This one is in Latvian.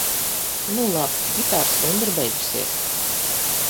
Nu labi. Ģitāras stunda ir beigusies.